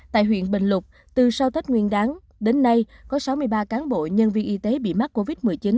tại huyện bình lục từ sau tết nguyên đáng đến nay có sáu mươi ba cán bộ nhân viên y tế bị mắc covid một mươi chín